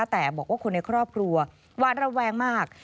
แต่บอกว่าคนในครอบครัวหวาดระแวงมาก